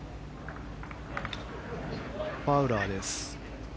ファウラーです。